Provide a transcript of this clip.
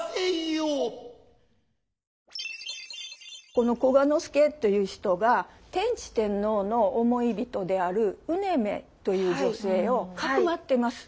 この久我之助という人が天智天皇の想い人である采女という女性を匿ってます。